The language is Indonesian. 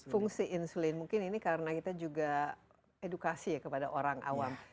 fungsi insulin mungkin ini karena kita juga edukasi ya kepada orang awam